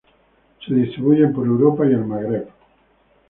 Se distribuyen por Europa y el Magreb.